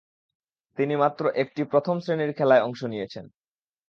তিনি মাত্র একটি প্রথম-শ্রেণীর খেলায় অংশ নিয়েছেন।